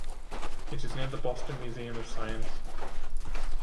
It is near the Boston Museum of Science.